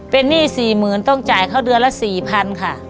เป็นหนี้๔๐๐๐ต้องจ่ายเขาเดือนละ๔๐๐๐ค่ะ